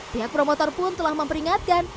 pihak promotor pun telah memperingatkan